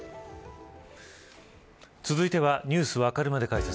続いてはニュースわかるまで解説。